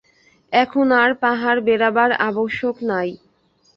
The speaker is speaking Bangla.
এখন আর পাহাড় বেড়াবার আবশ্যক নাই।